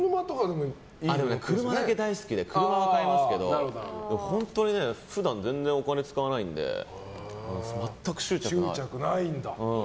車だけ大好きで車は買いますけど本当に普段全然お金使わないので全く執着ない。